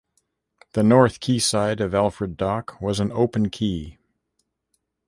The north quayside of Alfred Dock was an open quay.